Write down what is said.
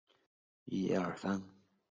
艾伦瑞克认为自己是犹太人。